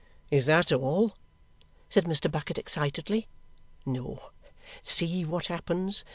"Is that all?" said Mr. Bucket excitedly. "No. See what happens.